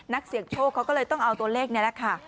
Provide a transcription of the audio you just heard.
นักเสี่ยงโชคเขาก็เลยต้องเอาตัวเลขนี้แหละค่ะ